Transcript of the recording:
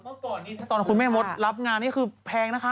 เมื่อก่อนนี้ตอนคุณแม่มดรับงานนี่คือแพงนะคะ